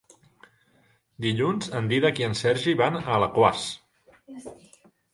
Dilluns en Dídac i en Sergi van a Alaquàs.